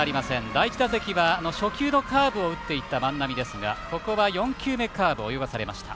第１打席は、初球のカーブを打っていった万波ですがここは４球目カーブ泳がされました。